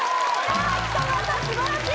北川さん素晴らしい！